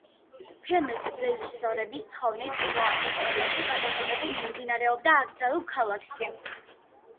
ფილმის რეჟისორების თხოვნით პირველად ისტორიაში გადაღებები მიმდინარეობდა აკრძალულ ქალაქში.